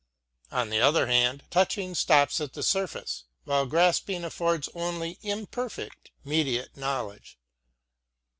On the other hand, touching stops at the surface, while grasping affords only imperfect, mediate knowledge.